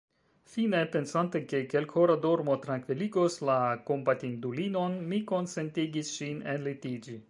Fine, pensante, ke kelkhora dormo trankviligos la kompatindulinon, mi konsentigis ŝin enlitiĝi.